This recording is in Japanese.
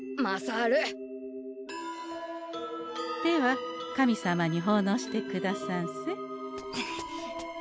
では神様にほうのうしてくださんせ。